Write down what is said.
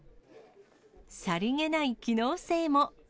さりげない機能性も。